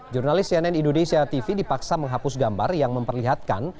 jurnalis cnn indonesia tv dipaksa menghapus gambar yang memperlihatkan